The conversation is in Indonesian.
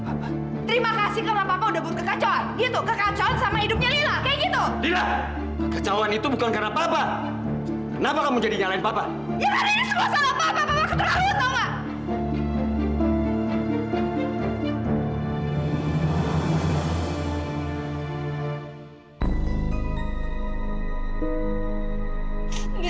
saya nggak mau denger lagi saya nggak sengaja